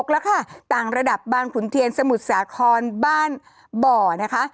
แล้วค่ะต่างระดับบางขุนเทียนสมุทรสาครบ้านบ่อนะคะ